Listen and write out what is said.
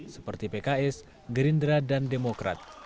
seperti pks gerindra dan demokrat